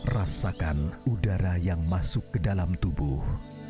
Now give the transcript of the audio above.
rasakan udara yang masuk ke dalam tubuh